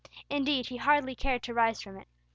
Indeed he hardly cared to rise from it.